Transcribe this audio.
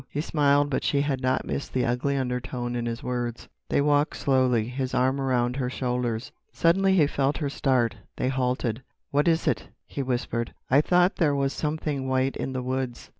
He smiled, but she had not missed the ugly undertone in his words. They walked slowly, his arm around her shoulders. Suddenly he felt her start. They halted. "What was it?" he whispered. "I thought there was something white in the woods."